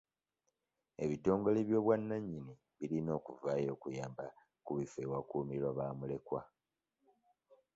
Ebitongole by'obwannannyini birina okuvaayo okuyamba ku bifo ewakuumirwa bamulekwa.